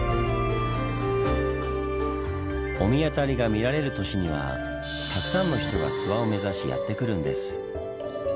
御神渡りが見られる年にはたくさんの人が諏訪を目指しやって来るんです。